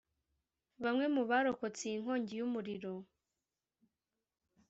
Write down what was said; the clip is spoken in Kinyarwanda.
Bamwe mu barokotse iyi nkongi y’umuriro